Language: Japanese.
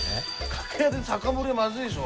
楽屋で酒盛りはまずいでしょ。